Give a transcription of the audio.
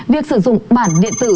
việc sử dụng bản điện tử